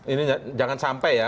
ini jangan sampai ya